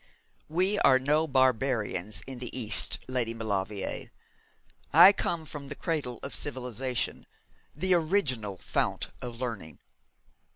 'We are no barbarians in the East, Lady Maulevrier. I come from the cradle of civilisation, the original fount of learning.